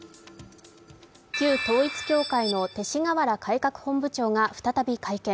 旧統一教会の勅使河原改革本部長が再び会見。